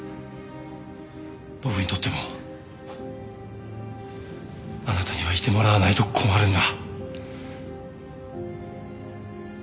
僕にとってもあなたにはいてもらわないと困るんだ。